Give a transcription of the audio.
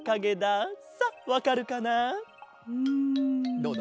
どうだ？